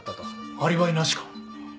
アリバイなしか？